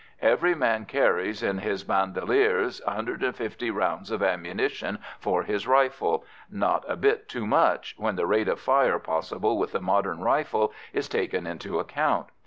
Every man carries in his bandoliers 150 rounds of ammunition for his rifle not a bit too much, when the rate of fire possible with the modern rifle is taken into account.